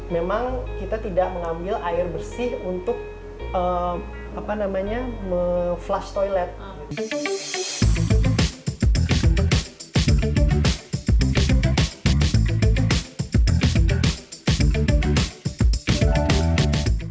memang kita tidak mengambil air bersih untuk apa namanya flush toilet